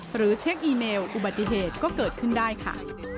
หรือเช็คอีเมลอุบัติเหตุก็เกิดขึ้นได้ค่ะ